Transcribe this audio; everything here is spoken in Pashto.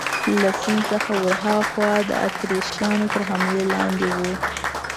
له سیند څخه ورهاخوا د اتریشیانو تر حملې لاندې وو.